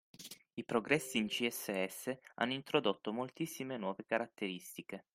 I progressi in CSS hanno introdotto moltissime nuove caratteristiche